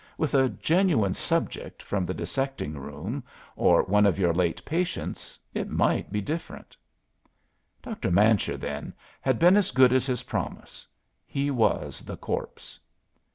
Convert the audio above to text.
With a genuine 'subject' from the dissecting room, or one of your late patients, it might be different." Dr. Mancher, then, had been as good as his promise; he was the "corpse."